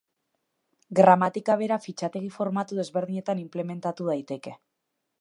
Gramatika bera fitxategi formatu desberdinetan inplementatu daiteke.